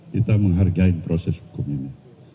kita menghargai proses hukum ini